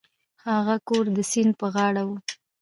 هغه کور د سیند په غاړه و.